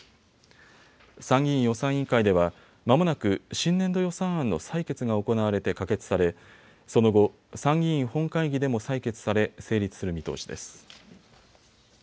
参議院予算委員会ではまもなく新年度予算案の採決が行われて可決されその後、参議院本会議でも採決され成立する見通しです。